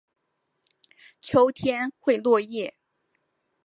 秋天会落叶。